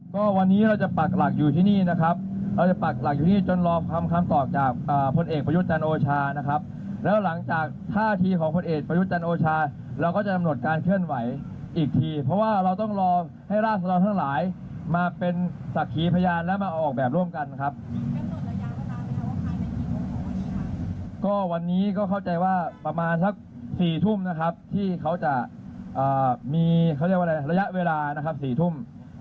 ตอนสัก๔ทุ่มนะครับที่เขาจะมีระยะเวลา๔ทุ่ม